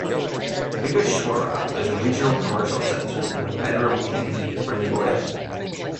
Higashiura is a regional commercial center and a bedroom community for Nagoya.